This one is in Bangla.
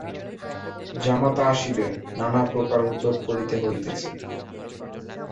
জামাতা আসিবে, নানা প্রকার উদ্যোগ করিতে হইতেছে।